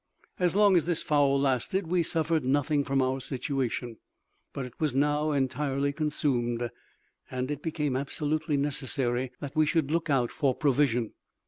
As long as this fowl lasted we suffered nothing from our situation, but it was now entirely consumed, and it became absolutely necessary that we should look out for provision.